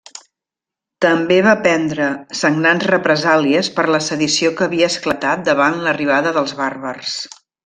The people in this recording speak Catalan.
També va prendre sagnants represàlies per la sedició que havia esclatat davant l'arribada dels bàrbars.